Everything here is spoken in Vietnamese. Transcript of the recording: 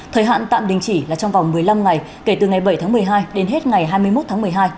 thời hạn tạm đình chỉ là trong vòng một mươi năm ngày kể từ ngày bảy tháng một mươi hai đến hết ngày hai mươi một tháng một mươi hai